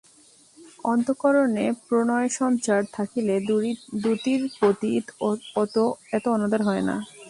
অন্তঃকরণে প্রণয়সঞ্চার থাকিলে দূতীর প্রতি এত অনাদর হয় না।